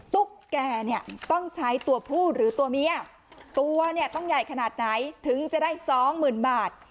ตุ๊กแก่เนี่ยต้องใช้ตัวผู้หรือตัวเมียตัวเนี่ยต้องใหญ่ขนาดไหนถึงจะได้สองหมื่นบาท